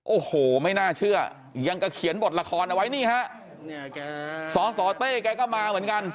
โอ้โหไม่น่าเชื่อยังก็เขียนบทละครเอาไว้นี่ฮะสสเต้แกก็มาเหมือนกัน